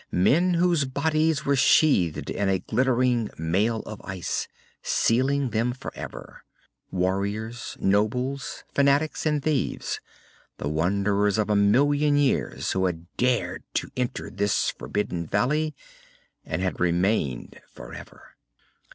Men whose bodies were sheathed in a glittering mail of ice, sealing them forever. Warriors, nobles, fanatics and thieves the wanderers of a million years who had dared to enter this forbidden valley, and had remained forever.